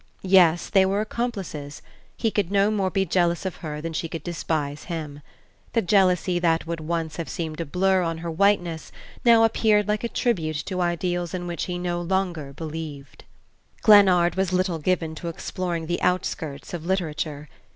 Yes, they were accomplices; he could no more be jealous of her than she could despise him. The jealousy that would once have seemed a blur on her whiteness now appeared like a tribute to ideals in which he no longer believed.... Glennard was little given to exploring the outskirts of literature.